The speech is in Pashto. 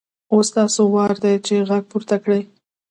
اوس ستاسو وار دی چې غږ پورته کړئ.